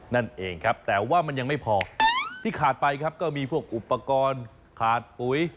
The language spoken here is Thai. นั่นเองครับแต่ว่ามันยังไม่พอที่ขาดไปครับก็มีพวกอุปกรณ์ขาดปุ๋ย